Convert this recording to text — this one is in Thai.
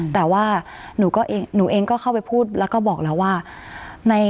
แต่ว่าหนูเองก็เข้าไปพูดแล้วก็บอกแล้วว่า